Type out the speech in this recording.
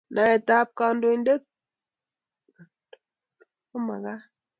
Naet ab kandoinatet kumakat